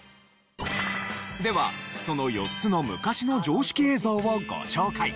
ではその４つの昔の常識映像をご紹介。